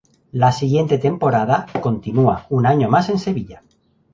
La siguiente temporada continúa un año más en Sevilla.